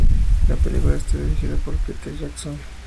La película está dirigida por Peter Jackson.